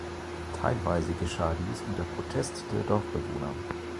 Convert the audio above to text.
Teilweise geschah dies unter Protest der Dorfbewohner.